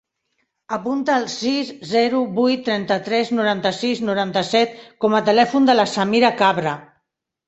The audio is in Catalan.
Apunta el sis, zero, vuit, trenta-tres, noranta-sis, noranta-set com a telèfon de la Samira Cabra.